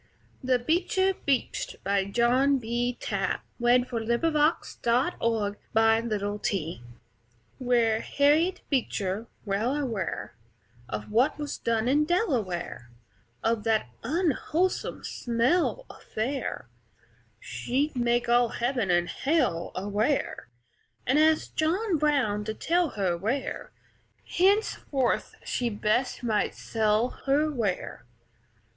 THE BEECHER BEACHED BY JOHN B. TABB Were Harriet Beecher well aware Of what was done in Delaware, Of that unwholesome smell aware, She'd make all heaven and hell aware, And ask John Brown to tell her where Henceforth she best might sell her ware.